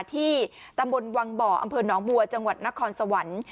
ที่ตำบลวังบ่ออำเภอหนองบัวจังหวัดนครสวรรค์